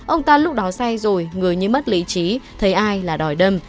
ông ta lúc đó say rồi người mất lý trí thấy ai là đòi đâm